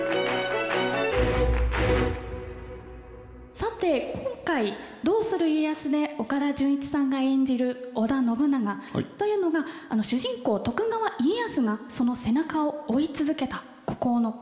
さて今回「どうする家康」で岡田准一さんが演じる織田信長というのが主人公徳川家康がその背中を追い続けた孤高のカリスマです。